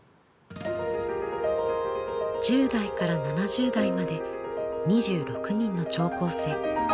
１０代から７０代まで２６人の聴講生。